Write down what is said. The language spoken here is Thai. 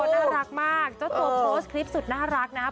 น่ารักมากเจ้าตัวโพสต์คลิปสุดน่ารักนะครับ